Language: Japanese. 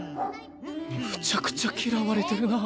むちゃくちゃ嫌われてるな。